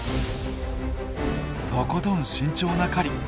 とことん慎重な狩り。